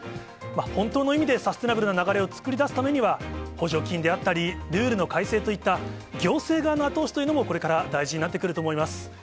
本当の意味でサステナブルの流れを作り出すためには、補助金であったり、ルールの改正といった行政側の後押しというのも、これから大事になってくると思います。